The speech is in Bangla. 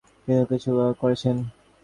তিনি কিছুদিন কয়লাশিল্পে কাজ করেছেন।